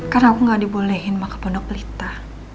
karena aku gak dibolehin makan pondok pelita